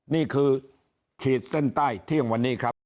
นี่คือขีดเส้นใต้เที่ยงวันนี้ครับ